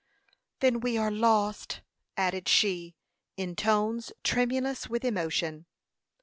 "Then we are lost!" added she, in tones tremulous with emotion.